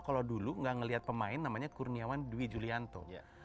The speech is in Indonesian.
kalau dulu tidak melihat pemain namanya kurniawan dwi julianto